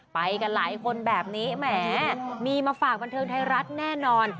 ไปกันหลายคนแบบนี้แหมมีมาฝากบันเทิงไทยรัฐแน่นอน